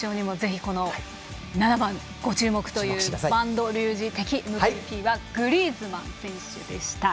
７番、注目ということで播戸竜二的ＭＶＰはグリーズマン選手でした。